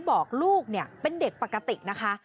บอกลูกเป็นเด็กปกตินะคะ